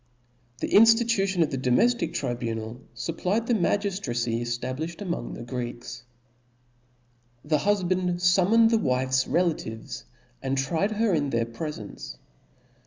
The inftitution of the domeftic tribunal § fupplied the magiftracy . cftablilhed ampng the Greeks ||. The hulband fummoncd the wife's relations^ and tried her in their prefence J.